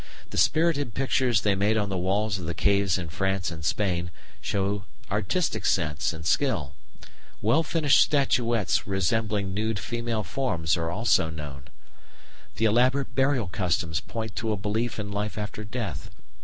The spirited pictures they made on the walls of caves in France and Spain show artistic sense and skill. Well finished statuettes representing nude female figures are also known. The elaborate burial customs point to a belief in life after death.